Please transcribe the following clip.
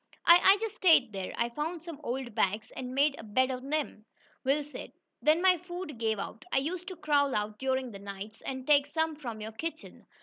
"I I just stayed there. I found some old bags, and made a bed on them," Will said. "Then when my food gave out, I used to crawl out during the nights and take some from your kitchen.